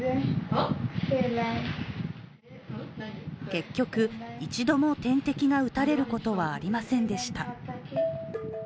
結局、一度も点滴が打たれることはありませんでした。